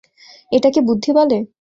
এটাকে বুদ্ধি বলে?